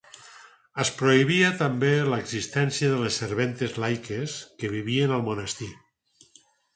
Es prohibia també l'existència de les serventes laiques que vivien al monestir.